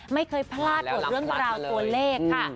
ไม่เคยพลาดกับเรื่องราวตัวเลขค่ะ